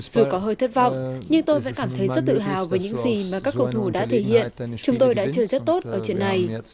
dù có hơi thất vọng nhưng tôi vẫn cảm thấy rất tự hào về những gì mà các cầu thủ đã thể hiện chúng tôi đã chơi rất tốt ở chuyện này